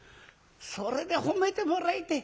「それで褒めてもらえて。